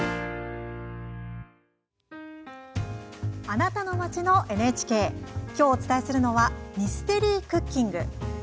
「あなたの街のＮＨＫ」きょうお伝えするのはミステリークッキング。